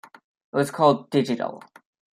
It was called 'Digital'.